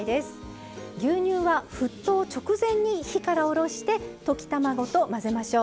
牛乳は沸騰直前に火から下ろして溶き卵と混ぜましょう。